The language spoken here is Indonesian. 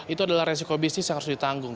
itu adalah resiko bisnis yang harus ditanggung